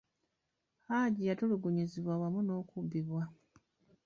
Hajji yatulugunyizibwa wamu n'okubbibwa.